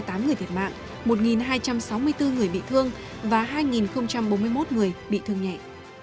làm hai một trăm ba mươi tám người thiệt mạng một hai trăm sáu mươi bốn người bị thương và hai bốn mươi một người bị thương nhẹ